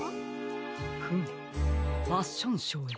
フムファッションショーへ。